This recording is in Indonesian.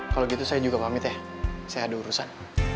kalau gitu saya juga pamit ya saya ada urusan